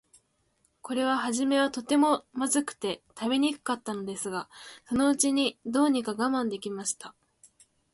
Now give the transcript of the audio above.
これははじめは、とても、まずくて食べにくかったのですが、そのうちに、どうにか我慢できました。